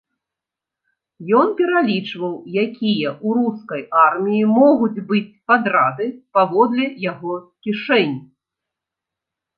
Ён пералічваў, якія ў рускай арміі могуць быць падрады паводле яго кішэні.